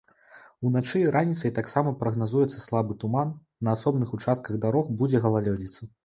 Уначы і раніцай таксама прагназуецца слабы туман, на асобных участках дарог будзе галалёдзіца.